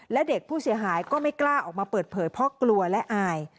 และเด็กผู้เสียหายก็ไม่กล้าออกมาเปิดเผยเพราะกลัวและอาย